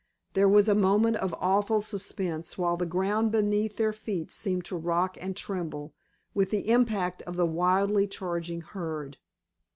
There was a moment of awful suspense, while the ground beneath their feet seemed to rock and tremble with the impact of the wildly charging herd.